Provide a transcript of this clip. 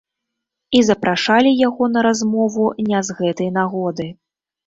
І запрашалі яго на размову не з гэтай нагоды.